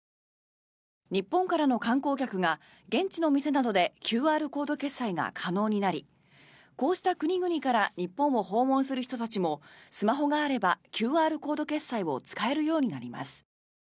日本からの観光客が現地の店などでＱＲコード決済が可能になりこうした国々から日本を訪問する人たちもスマホがあればＱＲコード決済を使えるようになります。